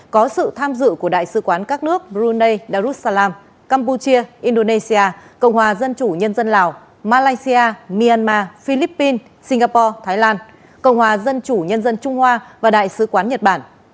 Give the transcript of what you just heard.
có sự tham dự của đại sứ quán các nước brunei darussalam campuchia indonesia cộng hòa dân chủ nhân dân lào malaysia myanmar philippines singapore thái lan cộng hòa dân chủ nhân dân trung hoa và đại sứ quán nhật bản